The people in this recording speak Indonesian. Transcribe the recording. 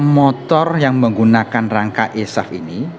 motor yang menggunakan rangka esaf ini